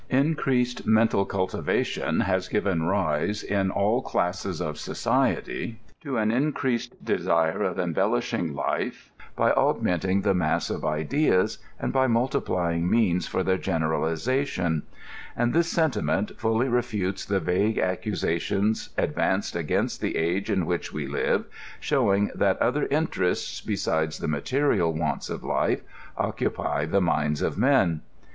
Increased mental cultiva tion has given rise, in all classes of society, to an increased de sire of embellishing life by augmenting the mass of ideas, and by multiplying means for their generalization ; and this sen timent fully refutes the vague accusations advanced against the age in which we live, showing that other interests, be sides the material wants of life, occupy the minds of men.